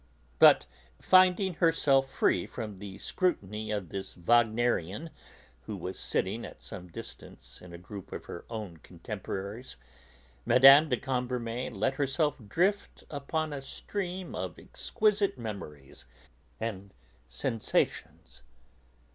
But finding herself free from the scrutiny of this Wagnerian, who was sitting, at some distance, in a group of her own contemporaries, Mme. de Cambremer let herself drift upon a stream of exquisite memories and sensations.